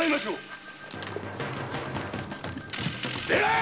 出会え！